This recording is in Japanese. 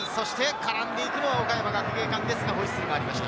絡んでいくのは岡山学芸館ですが、ホイッスルがありました。